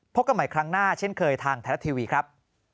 กันใหม่ครั้งหน้าเช่นเคยทางไทยรัฐทีวีครับ